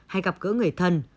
hay gặp gỡ người thân